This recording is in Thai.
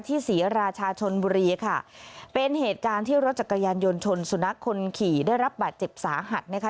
ศรีราชาชนบุรีค่ะเป็นเหตุการณ์ที่รถจักรยานยนต์ชนสุนัขคนขี่ได้รับบาดเจ็บสาหัสนะคะ